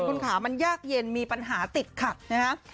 คุณขามันยากเย็นมีปัญหาติดขัดนะฮะ